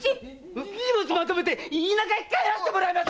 荷物まとめて田舎へ帰らせてもらいます！